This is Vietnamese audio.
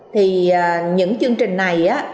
thì những chương trình này